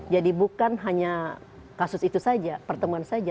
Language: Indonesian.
jadi bukan hanya kasus itu saja pertemuan saja